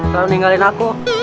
kalau ninggalin aku